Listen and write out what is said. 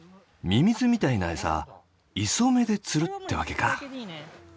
ミミズみたいな餌イソメで釣るってわけか。